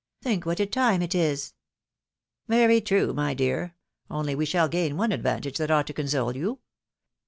" Think what a time it is !" "^Very true, my dear! only we shall gain one advantage that ought to console you.